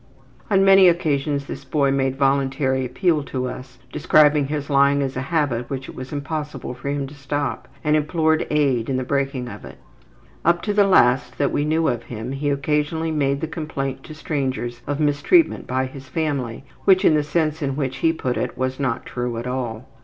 On many occasions this boy made voluntary appeal to us, describing his lying as a habit which it was impossible for him to stop, and implored aid in the breaking of it. Up to the last that we knew of him he occasionally made the complaint to strangers of mistreatment by his family, which in the sense in which he put it was not true at all.